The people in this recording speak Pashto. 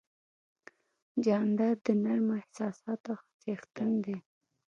جانداد د نرمو احساساتو څښتن دی.